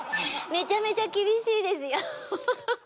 めちゃめちゃ厳しいですよ。